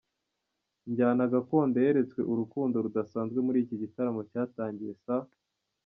njyana Gakondo yeretswe urukundo rudasanzwe muri iki gitaramo cyatangiye saa